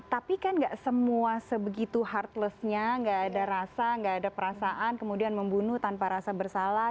tapi kan gak semua sebegitu hardless nya nggak ada rasa nggak ada perasaan kemudian membunuh tanpa rasa bersalah